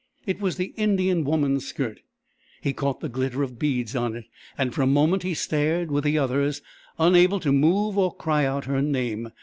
It was the Indian woman's skirt. He caught the glitter of beads on it, and for a moment he stared with the others, unable to move or cry out her name.